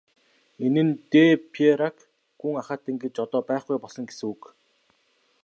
Энэ нь де Пейрак гүн ахайтан гэж одоо байхгүй болсон гэсэн үг.